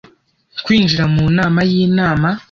kwinjira mu nama y'inama